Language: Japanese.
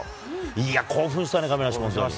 いや、興奮したね、亀梨君、本当に。